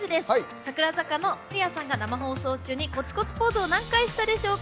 櫻坂の守屋さんが放送中にコツコツポーズを何回していたでしょうか。